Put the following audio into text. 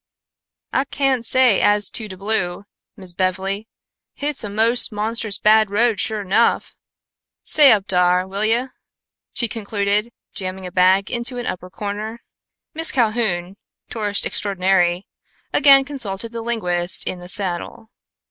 "Ah cain' say as to de blue, Miss Bev'ly. Hit's a mos' monstrous bad road, sho 'nough. Stay up dar, will yo'!" she concluded, jamming a bag into an upper corner. Miss Calhoun, tourist extraordinary, again consulted the linguist in the saddle.